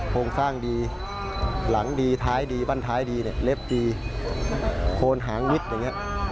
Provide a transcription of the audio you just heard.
โครงสร้างดีหลังดีท้ายดีบ้านท้ายดีเนี่ยเล็บดีโคนหางมิดอย่างนี้